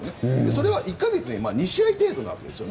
それは１か月に２試合程度なわけです。